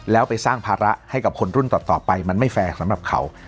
แล้วไปสร้างภาระให้กับคนรุ่นต่อไปมันไม่แฟร์สำหรับเขา